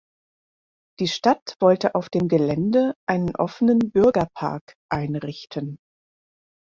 Die Stadt wollte auf dem Gelände einen offenen Bürgerpark einrichten.